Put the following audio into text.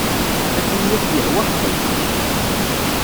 Akken i ak-yehwa xdem.